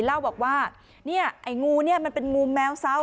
เล่าบอกว่านี่ไอ้งูมันเป็นงูแมวเศร้า